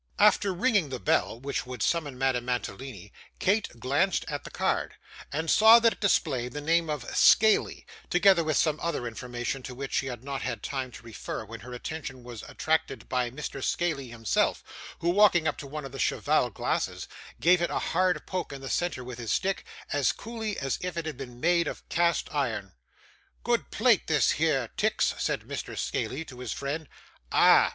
After ringing the bell which would summon Madame Mantalini, Kate glanced at the card, and saw that it displayed the name of 'Scaley,' together with some other information to which she had not had time to refer, when her attention was attracted by Mr. Scaley himself, who, walking up to one of the cheval glasses, gave it a hard poke in the centre with his stick, as coolly as if it had been made of cast iron. 'Good plate this here, Tix,' said Mr. Scaley to his friend. 'Ah!